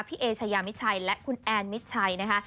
เอชายามิชัยและคุณแอนมิดชัยนะคะ